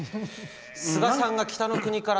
スガさんが「北の国から」